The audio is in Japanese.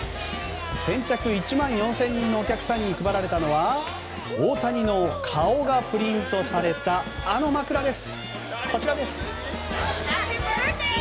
先着１万４０００人のお客さんに配られたのは大谷の顔がプリントされたあの枕です。